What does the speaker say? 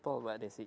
people pak desi